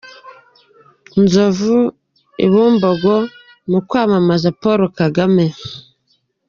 Nzovu i Bumbogo mu kwamamaza Paul Kagame.